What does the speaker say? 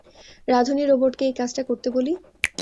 রাঁধুনী রোবটকে এই কাজটা করতে বলি?